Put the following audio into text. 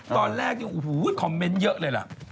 ตอนแรกคอมเมนต์เยอะเลยละ